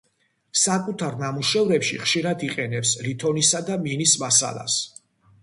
საკუთარ ნამუშევრებში ხშირად იყენებს ლითონისა და მინის მასალას.